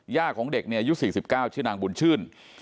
ของเด็กเนี่ยอายุ๔๙ชื่อนางบุญชื่น